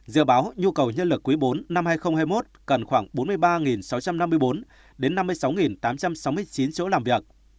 dự báo nhu cầu nhân lực quý bốn năm hai nghìn hai mươi một cần khoảng bốn mươi ba sáu trăm năm mươi bốn đến năm mươi sáu tám trăm sáu mươi chín chỗ làm việc